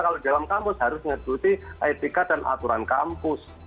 kalau di dalam kampus harus mengikuti etika dan aturan kampus